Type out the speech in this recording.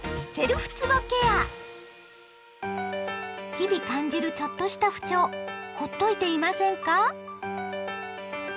日々感じるちょっとした不調ほっといていませんか？